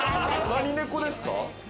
何猫ですか？